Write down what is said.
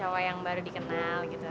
sama cowok yang baru dikenal gitu